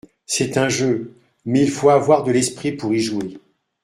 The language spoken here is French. C’est un jeu ; mais il faut avoir de l’esprit pour y jouer…